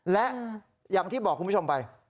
และอย่างที่บอกคุณผู้ชมไป